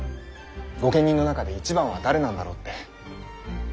御家人の中で一番は誰なんだろうって。